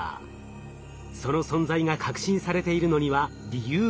その存在が確信されているのには理由があります。